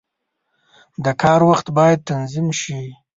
• د کار وخت باید تنظیم شي.